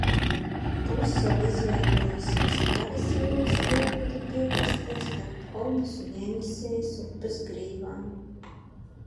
Pussala izvietojusies Karas jūras dienvidu piekrastē starp Obas un Jeņisejas upju grīvām.